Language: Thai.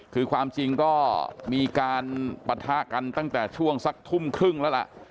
คือความจริงก็มีการปะทะกันตั้งแต่ช่วงสักทุ่มครึ่งแล้วล่ะ